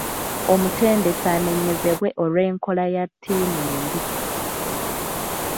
Omutendesi anenyezebwa olw'enkola ya ttiimu embi.